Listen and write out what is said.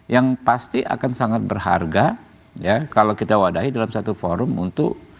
yang pasti akan sangat berharga ya kalau kita wadahi dalam satu forum untuk